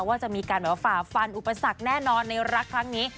ว่าจะมีการแบบว่าฝ่าฟันอุปสรรคแน่นอนในรักครั้งนี้